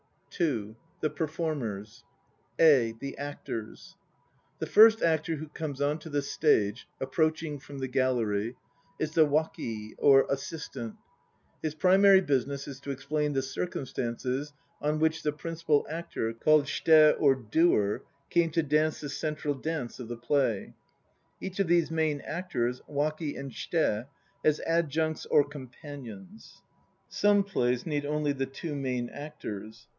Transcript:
(2) THE PERFORMERS. (a) The Actors. The first actor who comes on to the stage (approaching from the gallery) is the waki or assistant. His primary business is to explain the circumstances under which the principal actor (called shite or "doer") came to dance the central dance of the play. Each of these main actors (waki and shite) has "adjuncts" or "companions." Some plays need only the two main actors.